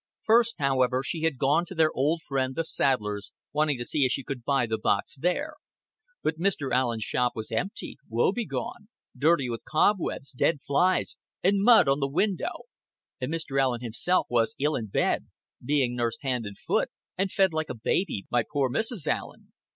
First, however, she had gone to their old friend the saddler's, wanting to see if she could buy the box there. But Mr. Allen's shop was empty, woe begone, dirty with cobwebs, dead flies, and mud on the window; and Mr. Allen himself was ill in bed, being nursed hand and foot, and fed like a baby, by poor Mrs. Allen.